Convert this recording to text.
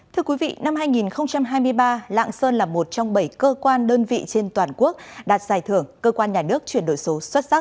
thưa quý vị năm hai nghìn hai mươi ba lạng sơn là một trong bảy cơ quan đơn vị trên toàn quốc đạt giải thưởng cơ quan nhà nước chuyển đổi số xuất sắc